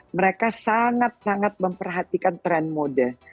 mereka sangat sangat memperhatikan tren mode